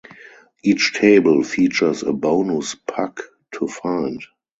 Each table features a bonus puck to find.